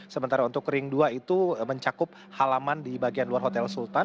sementara untuk ring dua itu mencakup halaman di bagian luar hotel sultan